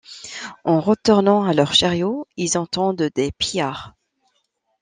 En retournant à leur chariot, ils entendent des pillards.